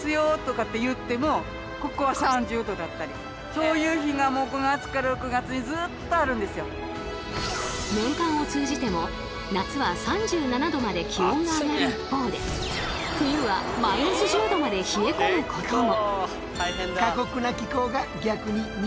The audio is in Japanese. そういう日が年間を通じても夏は３７℃まで気温が上がる一方で冬はマイナス１０℃まで冷え込むことも。